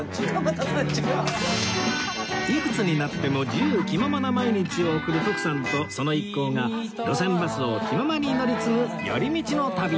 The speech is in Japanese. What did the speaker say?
いくつになっても自由気ままな毎日を送る徳さんとその一行が路線バスを気ままに乗り継ぐ寄り道の旅